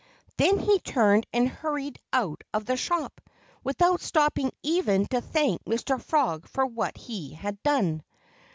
Then he turned and hurried out of the shop, without stopping even to thank Mr. Frog for what he had done.